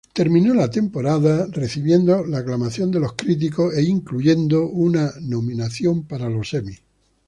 La temporada recibido aclamación de los críticos incluyendo una nominación para los Emmy.